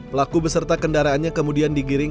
pelaku beserta kendaraannya kemudian digiring